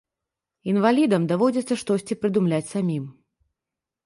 Інвалідам даводзіцца штосьці прыдумляць самім.